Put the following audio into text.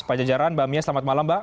pak jajaran mbak mia selamat malam mbak